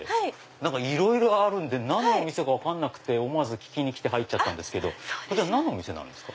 いろいろあるんで何のお店か分かんなくて思わず入っちゃったんですけど何のお店なんですか？